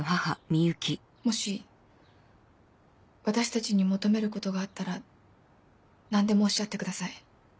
もし私たちに求めることがあったら何でもおっしゃってください。